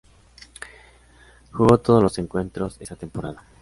Jugó todos los encuentros esa temporada.